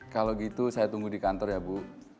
kalau gitu saya tunggu di kantor ya bu